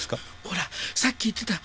ほらさっき言ってた